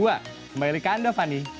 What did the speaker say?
sama elika anda fanny